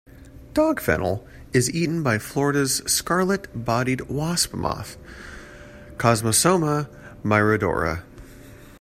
Dogfennel is eaten by Florida's scarlet-bodied wasp moth, "Cosmosoma myrodora".